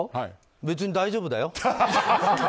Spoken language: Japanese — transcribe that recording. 別に大丈夫だよ。